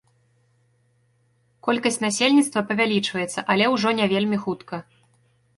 Колькасць насельніцтва павялічваецца, але ўжо не вельмі хутка.